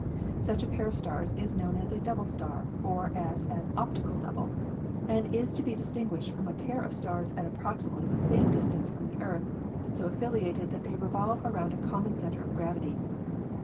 Such a pair of stars is known as a "double star," or as an "optical double," and is to be distinguished from a pair of stars at approxi mately the same distance from the Earth, but so affiliated that they revolve about a common center of gravity.